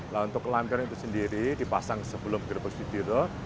nah untuk lampion itu sendiri dipasang sebelum gerbek sudiro